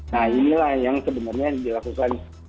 nah inilah yang sebenarnya dilakukan